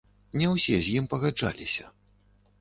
Не ўсе з ім пагаджаліся.